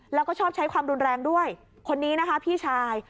แล้วก็ชอบใช้ความรุนแรงด้วยคนนี้นะคะพี่ชาย